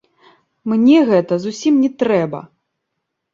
Мне гэта зусім не трэба!